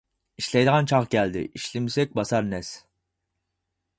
ئىشلەيدىغان چاغ كەلدى، ئىشلىمىسەك باسار نەس.